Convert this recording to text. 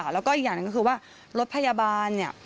แล้วก็อีกอย่างนั้นก็คือว่ารถพยาบาล